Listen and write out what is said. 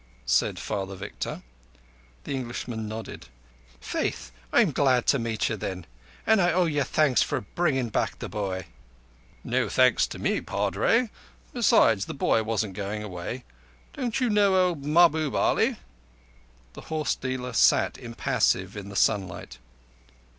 said Father Victor. The Englishman nodded. "Faith, I'm glad to meet ye then; an' I owe you some thanks for bringing back the boy." "No thanks to me, Padre. Besides, the boy wasn't going away. You don't know old Mahbub Ali." The horse dealer sat impassive in the sunlight.